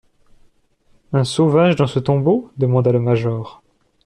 Un sauvage dans ce tombeau ? demanda le major.